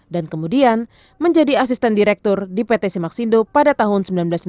dan kemudian menjadi asisten direktur di pt simaksindo pada tahun seribu sembilan ratus sembilan puluh empat